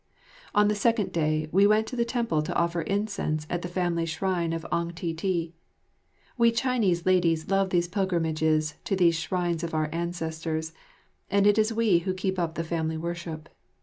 On the second day we went to the temple to offer incense at the family shrine of Ang Ti ti. We Chinese ladies love these pilgrimages to these shrines of our ancestors, and it is we who keep up the family worship.